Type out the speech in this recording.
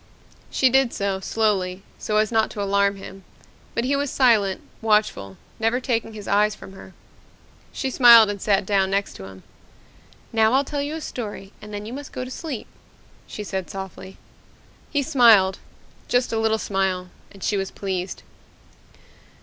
She did so, slowly, so as not to alarm him. But he was silent, watchful, never taking his eyes from her. She smiled and sat down next to him. "Now I'll tell you a story and then you must go to sleep," she said softly. He smiled just a little smile and she was pleased.